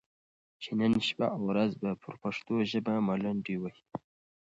چې نن شپه او ورځ پر پښتو ژبه ملنډې وهي،